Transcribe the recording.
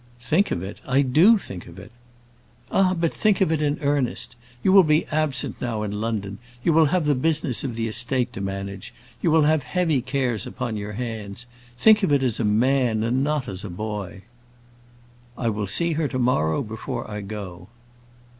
"Think of it! I do think of it." "Ah, but think of it in earnest. You will be absent now in London; you will have the business of the estate to manage; you will have heavy cares upon your hands. Think of it as a man, and not as a boy." "I will see her to morrow before I go."